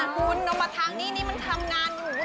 คุณเอามาทางนี้นี่มันทำงานอยู่